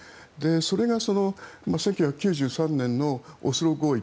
それが１９９３年のオスロ合意